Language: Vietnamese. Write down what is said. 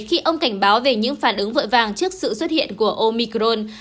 khi ông cảnh báo về những phản ứng vội vàng trước sự xuất hiện của omicron